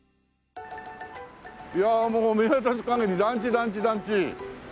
いやもう見渡す限り団地団地団地。